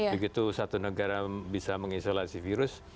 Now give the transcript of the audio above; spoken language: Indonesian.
begitu satu negara bisa mengisolasi virus